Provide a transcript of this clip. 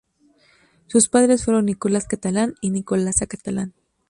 Sus padres fueron Nicolás Catalán y Nicolasa Catalán.